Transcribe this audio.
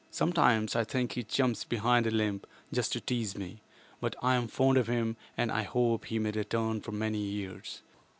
Sometimes I think he jumps behind a limb just to tease me, but I am fond of him and I hope he may return for many years.